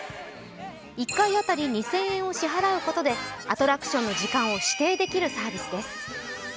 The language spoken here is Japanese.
１回当たり２０００円を支払うことでアトラクションの時間を指定できるサービスです。